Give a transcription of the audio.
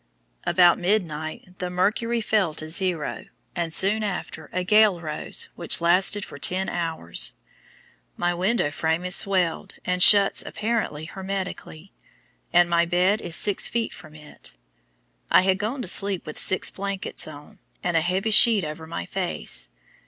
About midnight the mercury fell to zero, and soon after a gale rose, which lasted for ten hours. My window frame is swelled, and shuts, apparently, hermetically; and my bed is six feet from it. I had gone to sleep with six blankets on, and a heavy sheet over my face.